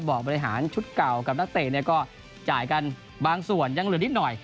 บริหารชุดเก่ากับนักเตะเนี่ยก็จ่ายกันบางส่วนยังเหลือนิดหน่อย